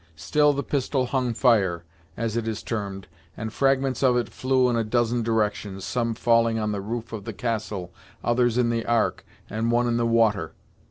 Still the pistol hung fire, as it is termed, and fragments of it flew in a dozen directions, some falling on the roof of the castle, others in the Ark, and one in the water.